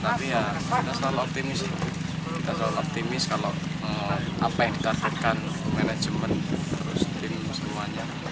tapi ya kita selalu optimis kita selalu optimis kalau apa yang ditargetkan manajemen harus tim semuanya